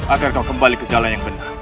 agar kau kembali ke jalan yang benar